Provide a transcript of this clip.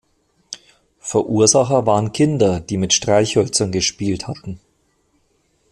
Verursacher waren Kinder, die mit Streichhölzern gespielt hatten.